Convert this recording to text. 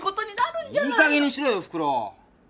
いいかげんにしろよおふくろ！